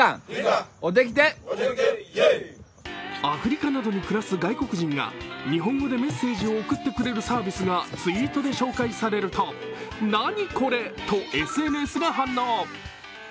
アフリカなどに暮らす外国人が日本語でメッセージを送ってくれるサービスがツイートで紹介されると「何これ？」とＳＮＳが反応。